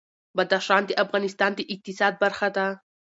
بدخشان د افغانستان د اقتصاد برخه ده.